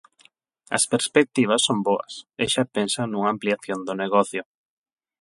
As perspectivas son boas e xa pensa nunha ampliación do negocio.